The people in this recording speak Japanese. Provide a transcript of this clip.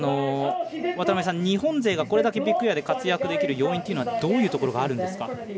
渡辺さん、日本勢がこれだけビッグエアで活躍できる要因というのはどういうところがあるんですか？